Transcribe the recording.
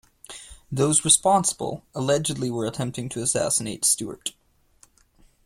Those responsible allegedly were attempting to assassinate Stewart.